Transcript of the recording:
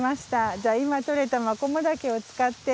じゃあ今採れたマコモダケを使って。